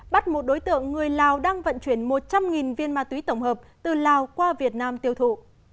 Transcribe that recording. bắt một đối tượng người lào đang vận chuyển một trăm linh viên ma túy tổng hợp từ lào qua việt nam tiêu thụ